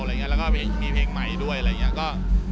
แล้วก็มีเพลงใหม่ด้วยอะไรอย่างนี้